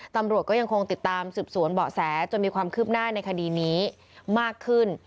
ตำรวจก็ยังคงติดตามสืบสวนเบาะแสจนมีความคืบหน้าในคดีนี้มากขึ้น